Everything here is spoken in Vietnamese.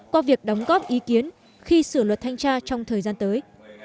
qua việc đóng góp ý kiến khi sửa luật thanh tra trong thời gian tới